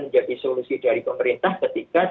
menjadi solusi dari pemerintah ketika